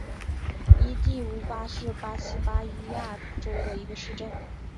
伊蒂乌巴是巴西巴伊亚州的一个市镇。